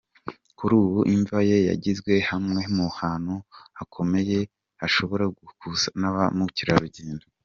Kuri ubu imva ye yagizwe hamwe mu hantu hakomeye hashobora gusurwa na ba mukerarugendo.